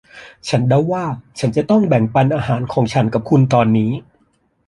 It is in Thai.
ฉันเดาว่าฉันจะต้องแบ่งปันอาหารของฉันกับคุณตอนนี้